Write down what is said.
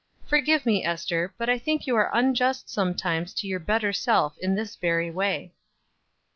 Forgive me, Ester, but I think you are unjust sometimes to your better self in this very way."